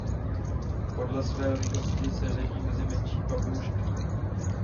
Podle své velikosti se řadí mezi menší papoušky.